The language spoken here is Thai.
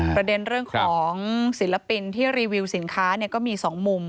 ประเด็นเรื่องของศิลปินที่รีวิวสินค้าก็มี๒มุม